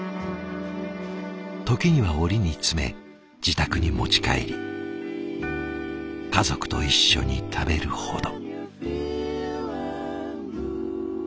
時には折に詰め自宅に持ち帰り家族と一緒に食べるほど。